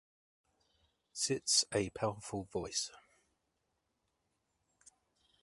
sits a powerful voice